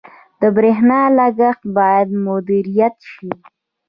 • د برېښنا لګښت باید مدیریت شي.